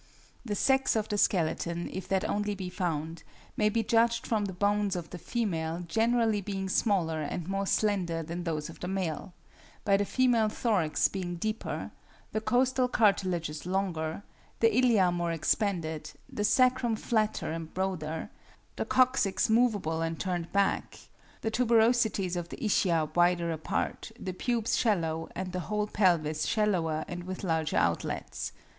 The sex of the skeleton, if that only be found, may be judged from the bones of the female generally being smaller and more slender than those of the male, by the female thorax being deeper, the costal cartilages longer, the ilia more expanded, the sacrum flatter and broader, the coccyx movable and turned back, the tuberosities of the ischia wider apart, the pubes shallow, and the whole pelvis shallower and with larger outlets.